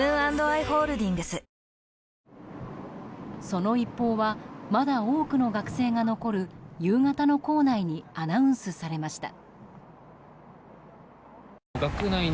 その一報はまだ多くの学生が残る夕方の校内にアナウンスされました。